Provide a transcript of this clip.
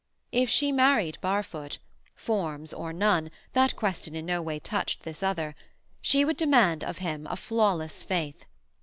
If she married Barfoot (forms or none—that question in no way touched this other), she would demand of him a flawless faith.